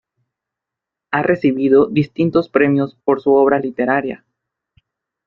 Ha recibido distintos premios por su obra literaria.